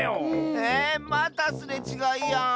ええっまたすれちがいやん。